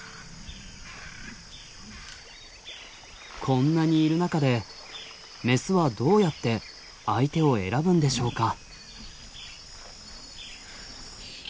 こんなにいる中でメスはどうやって相手を選ぶんでしょうか。